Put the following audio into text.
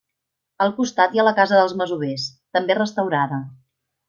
Al costat hi ha la casa dels masovers, també restaurada.